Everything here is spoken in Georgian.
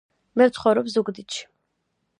მე ვცხოვრობ ზუგდიდში